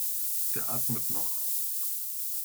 Der atmet noch.